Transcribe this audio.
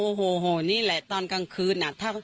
เขาโหโหโหนี่แหละตอนกลางคืนอ่ะ